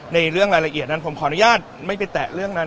ในเรื่องรายละเอียดนั้นผมขออนุญาตไม่ไปแตะเรื่องนั้น